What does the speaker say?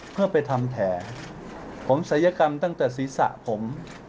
เพื่อไปทำแผลผมศัยกรรมตั้งแต่ศีรษะผม